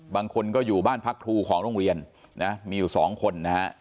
บางคนก็อยู่บ้านพักครูของโรงเรียนนะมีอยู่สองคนนะฮะ